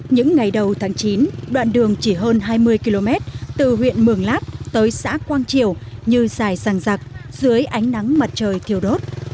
những ngày đầu tháng chín đoạn đường chỉ hơn hai mươi km từ huyện mường lát tới xã quang triều như dài sàng giặc dưới ánh nắng mặt trời thiều đốt